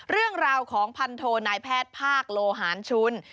เรื่องราวของพันโทนายแพทย์ภาคโลหารชุน